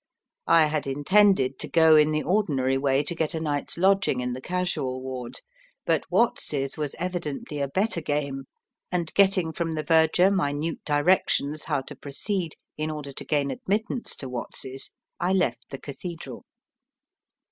I had intended to go in the ordinary way to get a night's lodging in the casual ward; but Watts's was evidently a better game, and getting from the verger minute directions how to proceed in order to gain admittance to Watts's, I left the Cathedral.